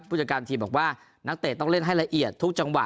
ผู้จัดการทีมบอกว่านักเตะต้องเล่นให้ละเอียดทุกจังหวะ